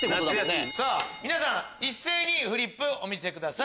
さぁ皆さん一斉にフリップお見せください。